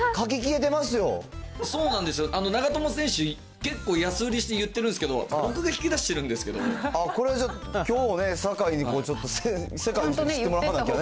そうなんですよ、長友選手、結構安売りして言ってるんですけど、僕が引き出してるんですけどこれ、ちょっと、きょうね、世界に知ってもらわないと。